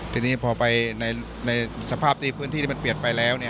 ทีนี้พอไปในสภาพที่พื้นที่ที่มันเปลี่ยนไปแล้ว